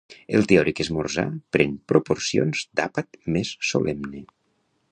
El teòric esmorzar pren proporcions d'àpat més solemne.